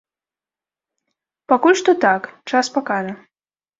Пакуль што так, час пакажа.